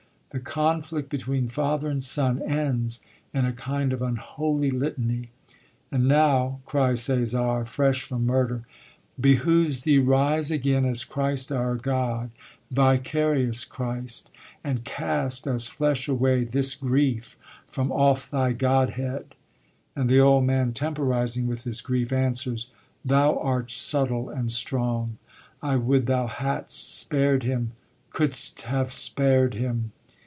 The conflict between father and son ends in a kind of unholy litany. 'And now,' cries Cæsar, fresh from murder, Behoves thee rise again as Christ our God, Vicarious Christ, and cast as flesh away This grief from off thy godhead. And the old man, temporising with his grief, answers: Thou art subtle and strong. I would thou hadst spared him couldst have spared him.